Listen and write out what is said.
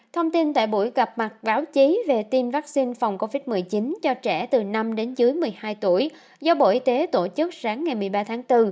thông tin tại buổi gặp mặt báo chí về tiêm vaccine phòng covid một mươi chín cho trẻ từ năm đến dưới một mươi hai tuổi do bộ y tế tổ chức sáng ngày một mươi ba tháng bốn